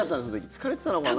疲れてたのかな。